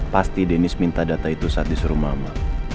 pasti deniz minta data itu saat disuruh mama